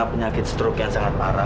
penyakit stroke yang sangat parah